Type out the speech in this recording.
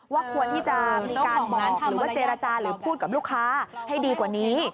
ควรที่จะมีการบอกหรือว่าเจรจาหรือพูดกับลูกค้าให้ดีกว่านี้